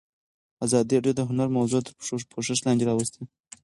ازادي راډیو د هنر موضوع تر پوښښ لاندې راوستې.